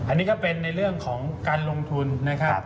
อันนี้ก็เป็นในเรื่องของการลงทุนนะครับ